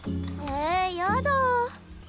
えやだ。